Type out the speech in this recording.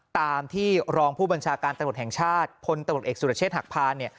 ตามที่รองผู้บัญชาการตนบทแห่งชาติพลตนบทเอกสุรเชษฐ์หักพาณ